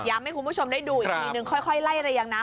ย้ำให้คุณผู้ชมได้ดูอีกนิดนึงค่อยไล่อะไรยังนะ